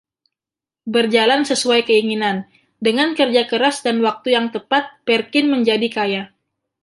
Berjalan sesuai keinginan: dengan kerja keras dan waktu yang tepat, Perkin menjadi kaya.